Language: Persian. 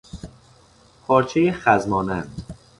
پارچهی خز مانند